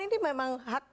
ini memang hak